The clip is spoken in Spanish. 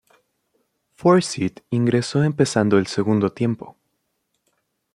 Forsyth ingresó empezando el segundo tiempo.